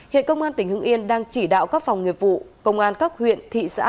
hiện công an tỉnh hưng yên đang chỉ đạo các phòng nghiệp vụ công an các huyện thị xã